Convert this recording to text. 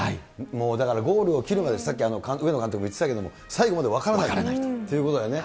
もうだからゴールを切るまで、さっき上野監督も言ってたけど、最後まで分からないということだよね。